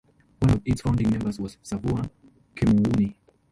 One of its founding members was Sauveur Chemouni.